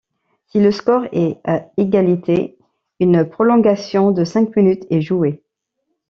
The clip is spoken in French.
Si le score est à égalité, une prolongation de cinq minutes est jouée.